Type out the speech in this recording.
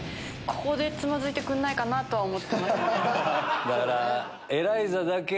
ここでつまずいてくれないかなと思ってます。